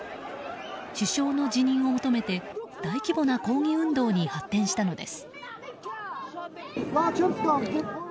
首相の辞任を求めて大規模な抗議運動に発展したのです。